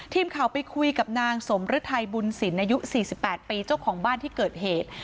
ทีมข่าวไปคุยกับนางสมฤทัยบุญศิลป์อายุ๔๘ปีเจ้าของบ้านที่เกิดเหตุ